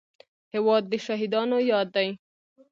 هېواد د شهیدانو یاد دی.